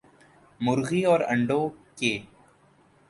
مرغی اور انڈوں ک